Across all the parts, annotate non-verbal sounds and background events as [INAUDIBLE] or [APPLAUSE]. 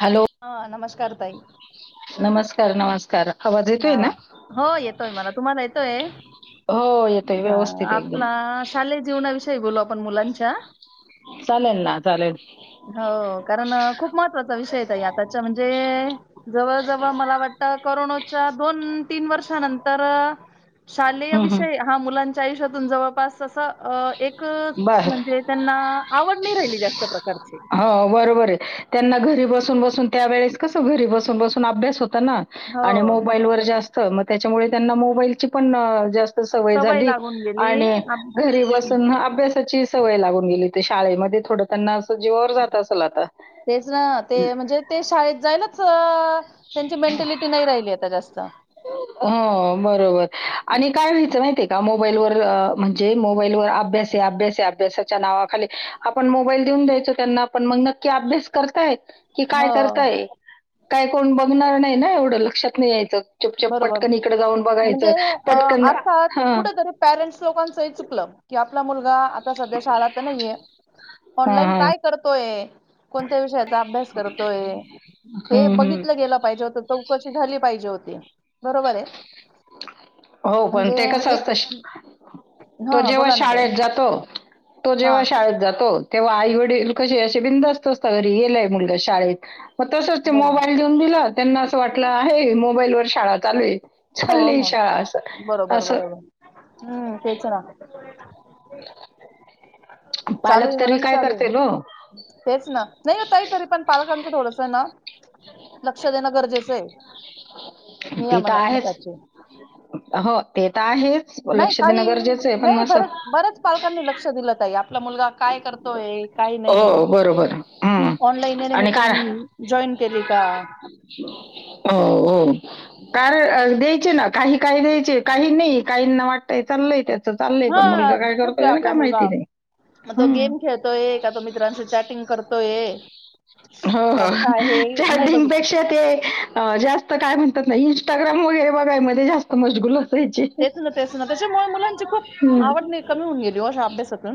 Hello हा नमस्कार ताई. नमस्कार नमस्कार आवाज हा येतोय ना हो येतोय मला तुम्हाला येतोय. हो येतोय हा व्यवस्थित येतोय. आपला शालेय जीवनाविषयी बोलू आपण मुलांच्या. चालेल ना - [UNINTELLIGIBLE] हो कारण खूप महत्त्वाचा विषय आहे ताई आताच्या म्हणजे जवळ जवळ मला वाटतं करोना- च्या दोन तीन वर्षानंतर शालेय हम्म, हम्म. विषयी. हा, मुलांच्या आयुष्यातून जवळपास. तसं एक बर म्हणजे त्यांना आवड नाही राहिली जास्त प्रकारची. हो बरोबर आहे. त्यांना घरी बसून बसून त्यावेेळेस कसं घरी बसून बसून अभ्यास होता ना. हो आणि मोबाईल वर जास्त मग त्याच्यामुळे त्यांना मोबाईलची पण जास्त. सवय झाली लागून गेली आणि आप- घरी. तसं ना अभ्यासाची सवय लागून गेली शाळेमध्ये थोडं. त्यांना असं जीवावर जात असेल आता. तेच ना ते म्हणजे ते शाळेत जायलाच त्यांची मेंटलिटी नाही राहिली आता जास्त. हो बरोबर आणि काय व्हायचं माहितीय का मोबाईलवर अ म्हणजे मोबाईलवर अभ्यास आहे अभ्यास. अभ्यासाच्या नावाखाली आपण मोबाईल देऊन द्यायचो त्यांना आपण मग नक्की अभ्यास करतायत. कि काय हो करतायत काय कोण बघणार नाही ना एवढं लक्षात नाही यायचं. चुपचाप बरोबर पटकन इकडे जाऊन म्हणजे बघायचं अ, पटकन अर्थात हा. कुठेतरी पॅरेंट्स लोकांचही चुकलं की, आपला मुलगा आता सध्या शाळा तर नाहीये हां, ऑनलान हां. काय. करतोय कोणत्या विषयाचा अभ्यास करतोय हे हं, हं. बघितलं गेलं पाहिजे होतं. चौकशी झाली पाहिजे होती. बरोबर आहे. हो पण म्हणजे ते कसं एक असतं. तो हां हां जेव्हा बोला ना ताई. शाळेत जातो तो जेव्हा हां शाळेत जातो. तेव्हा आई वडील कसे असे बिंदास्त असतात घरी गेलाय मुलगा शाळेत मग तसंच ते बरोबर. मोबाईल. त्यांना अस वाटलं आहे. मोबाईल वर शाळा चालू हो चालली हो. शाळा. बरोबर असं बरोबर हम्म तेच ना. [INAUDIBLE] चालू आहे पालक तरी म्हणून काय चालू करतील हो आहे हेच ना नाही ताई तरी पण पालकांचं थोडस ना. लक्ष देणं गरजेचं आहे मी या ते तर [UNINTELLIGIBLE] आहेच मताचे हो ते तर आहेच नाही लक्ष देणे काही गरजेचे आहे पण नाही मस. बरच बऱ्याच पालकांनी लक्ष दिलंत ताई आपला मुलगा काय करतोय. काही नाही हो बरोबर हम्म ऑनलाईनने आणि काय मीटिंग जॉईन केली का. हो हो, कार द्यायचे ना काही काही द्यायचे काही नाही काहीना वाटतंय चाललंय त्याच. चालय हा पण मुलगा काय करतोय ना काय माहिती नाही हम्, य का तो मित्रांशी चॅटिंग करतोय. हो का हो, काय हे नाही बघितलं चॅटिंगपेक्षा ते जास्त. काय म्हणतात नाही इंस्टाग्राम वगैरे बघाय मध्ये जास्त मजगुलत. तेच ना तेच ना त्याच्यामुळे मुलांची खूप आवड नाही कमी होऊन गेली अशा अभ्यासातून.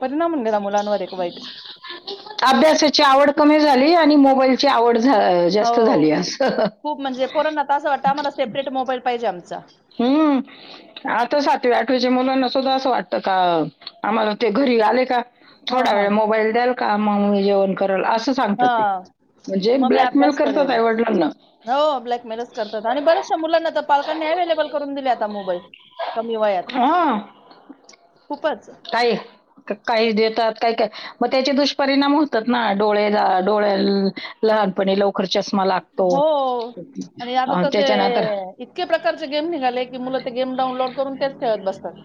परिणाम होऊन गेला मुलांवर एक वाईट. अभ्यासाची आवड कमी झाली आणि मोबाईलची आवड झा''--'' हो जास्त झाली असं. खूप म्हणजे पोरांना असं वाटतं आम्हाला सेपरेट मोबाईल पाहिजे आमचा. हम्म, आता सातव्या आठवी्याच्या मुलांना सुद्धा असं वाटतं का आम्हाला ते घरी आले का. हा थोडा वेळ हा मोबाईल द्याल का मग जेवन. करल अस हा सांगतात ते म्हणजे मग मी ब्लॅकमेल अभ्यास करतात करेल आई-वडिलांना. हो ब्लॅकमेलच करतात आणि बऱचश मुलांना तर पालकांनी यांनीच. स्टेबल करून दिले आता मोबाईल कमी वयात. हां. खूपच काही काही देतात काही काय मग त्याचे दुष्परिणाम होतात ना. डोळेला डोळ्या लहानपणी लव कर चष्मा लागतो. हो आणि आता तर ते त्याच्यानंतर इतके प्रकारचे गेम निघाले की, मुल ते गेम डाउनलोड करून तेच खेळत बसतात.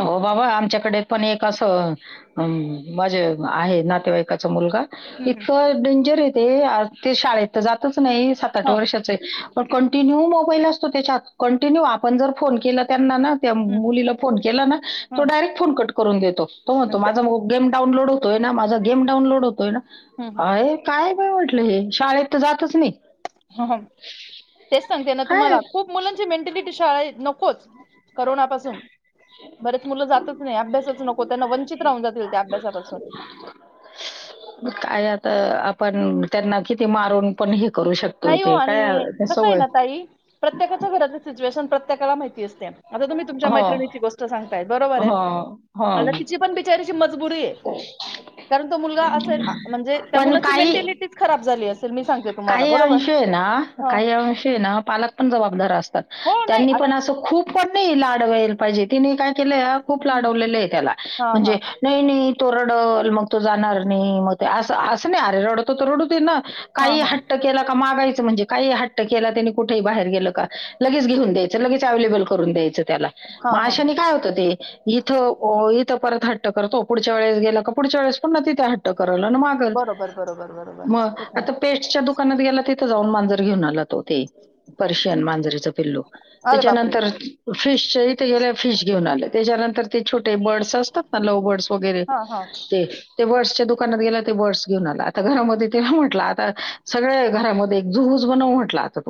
हो बाबा. आमच्याकडे पण एक असं. हम् माझे आहे नातेवाईकाचा मुलगा. हम्म हम्म. इतकं डेंजर आहे ते. ते शाळेत तर जातच नाही सात आठ हा वर्षाच हाय. पण कंटिन्यू मोबाईल असतो त्याच्यात. कंटिन्यू आपण जर फोन केला त्यांना ना. त्या हम्म मुलीला फोन केला ना. हा तो डायरेक्ट फोन कट करून देतो. तो म्हणतो माझा हम्म मोब गेम डाऊनलोड होतोय ना. माझा गेम डाऊनलोड होतोय ना. हम्म. हाय काय बाई म्हटलं हे शाळेत तर जातच नाही. ह तेच सांगते ना काय तुम्हाला. खूप मुलांची मेंटेलिटी शाळा नको च करोनापासून बरेच मुलं जातच नाही. अभ्यासच नको. त्यांना वंचित राहून जातील त्या अभ्यासापासून. काय आता आपण त्यांना किती मारून. पण हे करू शकतोय नाही तेे. काय सवय प्रत्येकाच्यां घरातं सिच्युएशन प्रत्येकाला माहिती असत्या. आता तुम्ही तुमच्या हो मैत्रिणीची गोष्ट सांगताय. बरोबर आहे. हं आता तिची पण बिचारीची मजबुरी आहे. अ [UNINTELLIGIBLE] कारण तो मुलगा असेल. म्हणजे त्या मुलाची काही मेंटॅलिटीच खराब झाली असेल. मी सांगते तुम काही अंश ना काही अंश ना. पालक पण जबाबदार असतात हो नाही त्यांनी आ पण असं खूप पण नाही लाड व्हायल पाहिजे. तिने काय केलंय खूप हं. लाडवलेलं आहे त्याला हां हां. म्हणजे, नाही नाही. तो रडल मग तो जाणार नाही. मग तो असं असं नाही अरे रडतो तर रडू दे ना. हां काही हां. हट्ट केला का मागायचं म्हणजे, काही हट्ट केला त्यांनी, कुठेही बाहेर गेलं का. लगेच घेऊन द्यायचं. लगेच अवलेबल करून द्यायचं त्याला. हां मग हां. अशानी काय होतं ते इथं इथं परत हट्ट करतो. पुढच्या वेळेस गेला का पुढच्या वेळेस पण ना तिथे हट ट करल. आण मागल बरोबर, बरोबर, बरोबर. मग तेच आहे. आता पे टच्या दुकानात गेला तिथे जाऊन मांजर घेऊन आला तो ते. पर्शियन मांजरेच पिल्लू अरे बापरे! त्याच्यानंतर, फिशच्या इथ गेल्यावर फिश घेऊन आल. त्याच्यानंतर ते छोटे बर्डस असतात ना लवबर्ड वगैरे हां हां. ते ते बर्ड्सच्या दुकानात गेला ते बर्ड्स घेऊन आला. आता घरामध्ये तिला म्हटलं, आता सगळ आहे घरामध्ये झू च बनव म्हटला आता.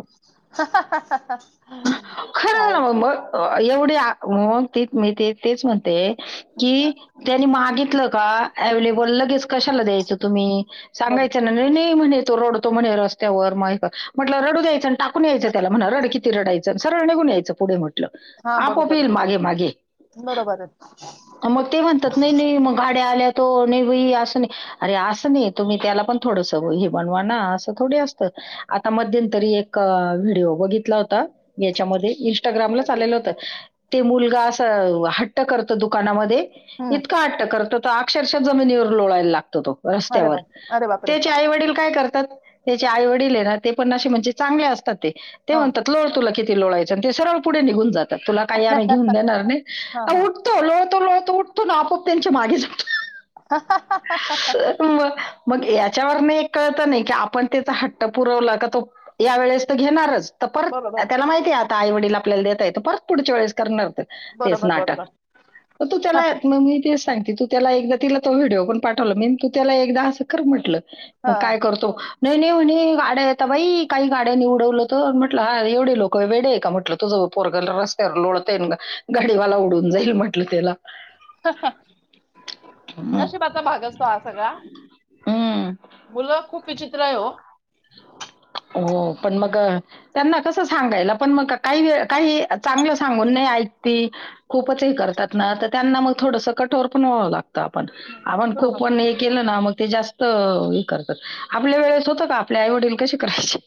खरं [UNINTELLIGIBLE] ना मग एवढी आग मग ते मी ते तेच म्हणते की, त्यांनी मागितलं का, अवेलेबल लगेच कशाला द्यायचं तुम्ही बरं. सांगायचं ना. नाही म्हणे तो रडतो म्हणे रस्त्यावर मग म्हटलं रडूून द्यायचं आणि टाकून यायचं त्याला म्हणा रड कि. ते रडायंच सरळ निघून यायचं पुढे मग. हां आपोआप बरोबर. येइल मागे मागे बरोबर आहे. मग ते म्हणतात नाही नाही मग गाड्या आल्या तो नि असं नाही अरे असं नाही तुम्ही त्याला पण थोडस हे बनवा ना. थोडी असत. आता मध्यंतरी एक व्हिडिओ बघितला होता. याच्यामध्ये पटलं इंस्टाग्रामलाच ते. आलेल ते मुलगा अस हट्ट करत दुकानामध्ये हं. इतका हट्ट करत. तो अक्षरशः जमिनीवर लोळायला लागतो, तो अरे रस्त्यावर बाप अरे बापरे! त्याचे आई वडील काय करतात? त्याचे आई वडील ये ना ते पण अशे म्हणजे चांगले असतात, ते हां. म्हणतात लोळ तुला किती लोळायचं. ते सरळं पुढे निघून जातात, तुला काही आम्ही घेऊन देणार नाही हां अ हां. ऊठ तो लोळतो- लोळतो उठतो अन् आपोआप त्यांच्या मागे जातो. ह, ह, ह.... मं मग याच्यावर नं एक कळतं, नाही की आपण त्याचा हट्ट पुरवला का तो या वेळेस तर घेणारच. तर परत, बरोबर. त्याला माहितीये आता आई वडीलला आपल्याला देतयेत, तर परत पुढच्या वेळेस करणार तो. तेच बरोबर नाटक. बरोबर तू त्याला हं मग मी तेच सांगती तू त्याला एकदा तिला तो व्हिडिओ पण पाठवला मी तू त्याला एकदा अस करं म्हंटलं, म काय हं करतो नई, नई म्हणे गाड्या आता बाई काही गाड्यानी उडवलं तर, म्हटलं आ एवढे लोक वेडे. का म्हटलं तुझं पोरंग रत्यावर लोळतंय, अन् गाडीवाला उडवुन जाईल म्हंटलं त्याला. हं, हा नशिबाचा भाग असतो हा सगळा. हम्, मुलं खूप विचित्रय हो. हो पण मग अं त्यांना कसं सांगायला पण मग काही वे, ळ काही चांगलं सांगून नाही ऐकती. खूपच हे करतात ना तर त्यांना मग थोडसं कठोर पण व्हावं लागतं, आपण आपण खूप बरोबर पण एक केलं ना मग ते जास्त हे करतात आपल्या वेळेत होतं का आपल्या आई वडील कसे करायचे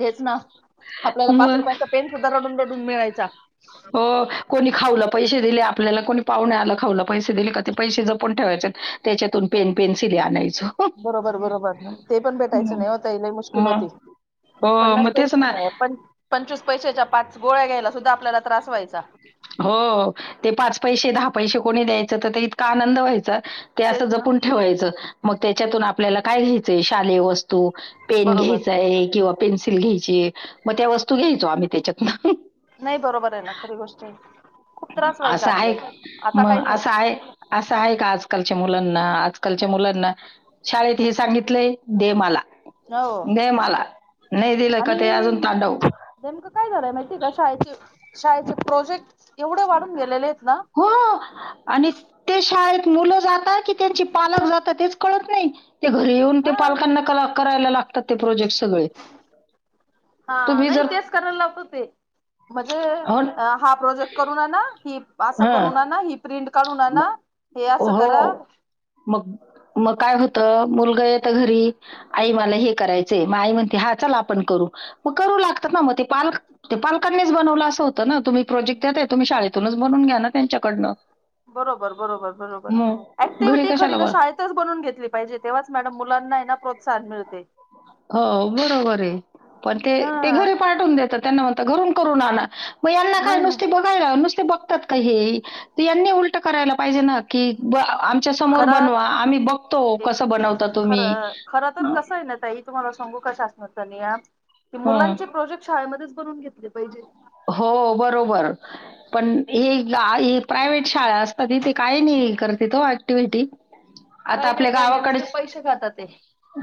हेच ना आपल्याला पाच मग रुपयाचा पेन सुद्धा रडून -रडून मिळायचा. हो कोणी खाऊला पैसे दिले आपल्याला कोणी पाहुणे आला खाऊला पैसे दिले का ते पैसे जपुण ठेवायचे. त्याच्यातून पेन, पेन्सिली आणायचो. बरोबर, बरोबर ते पण भेटायचं हं. नाही हो ताई लई मुश्किल मग होते. हो, पन्नास मग पै तेच ना. पंचवीस पैशाच्या पाच गोळ्या घ्यायला सुद्धा आपल्याला त्रास व्हायचा. हो ते पाच पैसे, दहा पैसे कोणी द्यायचं तर इतका आनंद व्हायचा ते तेच असं ना. जपून ठेवायचं, मग त्याच्यातून आपल्याला काय घ्यायचंय शालेय वस्तु तु पेन बरोबर घ्यायचा ये किंवा पेन्सिल घ्यायची मग त्या वस्तू घ्यायचो आम्ही त्याच्यानंतर. नाही बरोबर आहे ना खरी गोष्ट आहे. खूप त्रास व्हायचा असं आहे, आपल्याला आता काही मग नाही असं आहे. असं आहे का आजकालच्या मुलांना, आजकालच्या मुलांना शाळेत हे सांगितलंय, दे मला. हो दे मला, नाही दिलं का आणि ते अजून तांडव. नेमकं काय झालंय माहितीय का शाळेचे, शाळेचे प्रोजेक्ट एवढे वाढून गेलेले येत ना. हो [INAUDIBLE] आणि ते शाळेत मुलं जातात कि त्यांचे पालक जातात तेच कळत नाही. ते घरी येऊन ते हा पालकांना क- करायला लागतात ते प्रोजेक्ट सगळे. हा तुम्ही नाही जर तेच करायला लावता ते म्हणजे हो हा प्रोजेक्ट करुन आना, ही असं हं. करुन आना, ही प्रिंट काढून ना हे असं करा. हो. मग- मग काय होतं मुलगा येता घरी आई मला हे करायचंय मग आई म्हणते हा चला आपण करू मग करू लागतात ना मग ते पाल ते पालकांनीच बनवलं असं होतं ना, तुम्ही प्रोजेक्ट द्याताय तुम्ही शाळेतूनच बनून घ्या ना त्यांच्याकडनं. बरोबर, बरोबर, बरोबर मग घरी ऍक्टिव्हटी खरी कशाला तर ब शाळेत तच बनून घेतली पाहिजे तेव्हाच मॅडम मुलांनाना प्रोत्साहन मिळते. हो बरोबर आहे, पण ते हा ते घरी पाठवून देतात, त्यांना म्हणत घरून करून आणा. हो, यांना काय, नाही नाही नुसती बो? नुसतं बघतात का हे? यांनी उलटं करायला पाहिजे ना कि आमच्या समोर खरं बनवा, आम्ही बघतो एक कस बनवता तुम्ही. खरं खर तर कसं आहे ना, ताई? तुम्हाला सांगू का? शासनाचा नियम हं. -मुलांचे प्रोजेक्ट शाळेमध्येच बनून घेतले पाहिजे. हो, बरोबर. पण हे प्रायव्हेट शाळा असतात, तिथे काही नाही करतात ॲक्टिव्हटी काही नाही, काही नाही, नुसते पैसे खातात. ते.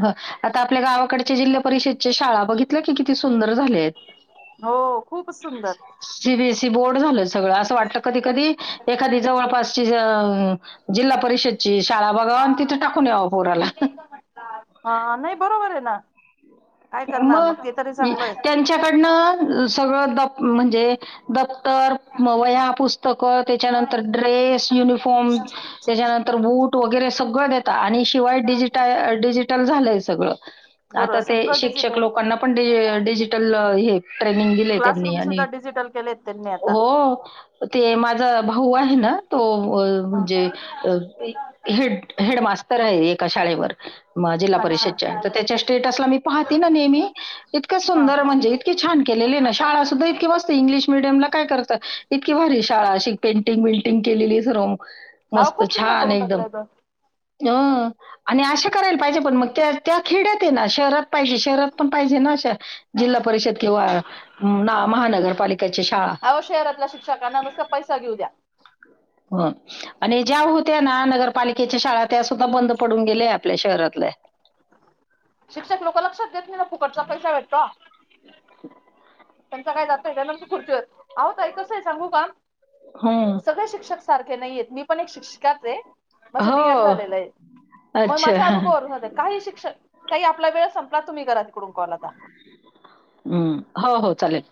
हं, आता आपल्या गावाकडच्या जिल्हा परिषदेच्या शाळा बघितल्या की, किती सुंदर झाल्यात. हो, खूपच सुंदर सीबीएसई बोर्ड झालं सगळं असं वाटतं, कधी कधी एखादी जवळपास जिल्हा परिषदची शाळा बघाव आणि तिथे टाकून यावं पोराला हा, नाही बरोबर आहे ना? काय करणार मग ते, तरी चांगलय च्याकडन सगळं म्हणजे दप्तर, वह्या, पुस्तकं त्याच्यानंतर ड्रेस, युनिफॉर्म त्याच्यानंतर बुट वगैरे सगळं देत आणि शिवाय डिजिटा डिजिटल झालंय सगळं बरोर, आता ते सकटच शिक्षक लोकांना पण डिजिटल हे ट्रेनिंग दिले त्यांनी क्लासरूम आणि सुद्धा डिजिटल केलेत त्यांनी आता. हो, ते माझा भाऊ आहे ना, तो म्हणजे काही नाही अ असंच केला होता. हे हेडमास्तर आहे एका शाळेवर जिल्हा अच्छा परिषदच्या तर चालत. त्याच्या स्टेटसला मी पाहते नेहमी इतकं हा सुंदर म्हणजे इतकी छान केलेली ना शाळा सुद्धा इतकी मस्त इंग्लिश मिडियमला काय करतं इतकी भारी शाळा अशी पेंटिंग विंटिंग केलेली सर्व अहो मस्त खूप सुंदर छान करून एकदम टाकलंय ग. अ आणि अशा करायला पाहिजे, पण मग त्या त्या खेड्यात आहे ना, शहरात पाहिजे शहरात पण पाहिजे ना, अशा जिल्हा परिषद किंवा ना महानगरपालिकेची शाळा अहो शहरातल्या शिक्षकांना नुसत पैसा घेऊ द्या हं आणि ज्या होत्या ना नगरपालिकेच्या शाळा, त्या सुद्धा बंद पडून गेल्या आपल्या शहरातल्या शिक्षक लोक लक्ष देत नाही, ना फुकटचा पैसा भेटतो. त्यांचं काय जातंय, त्यानंतर खुर्चीवर. आहो ताई, कसं आहे सांगू का? हं. सगळे शिक्षक सारखे नाहीयेत, मी पण एक शिक्षिकाच आहे. माझं डी. एड. हो. झालेलं आहे, मग अच्छा. माझ्या अनूभवारून सांगते. काही शिक्षण ताई, आपला वेळ संपला. तुम्ही करा तिकडून कॉल आता हं, हो हो, चालेल.